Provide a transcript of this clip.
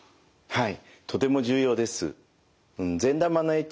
はい。